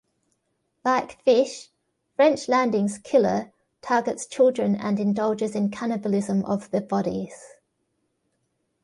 Like Fish, French Landing's killer targets children and indulges in cannibalism of the bodies.